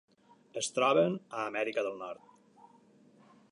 Es troben a Amèrica del Nord.